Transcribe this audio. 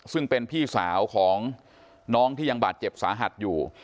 ซึ่งเป็นพี่สาวของน้องที่ยังบาดเจ็บสาหัสอยู่